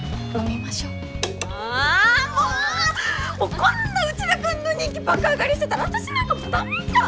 こんな内田君の人気爆上がりしてたら私なんか駄目じゃん！